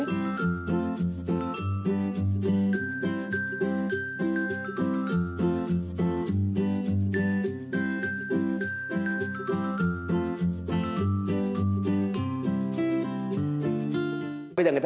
như hương cây hương lộn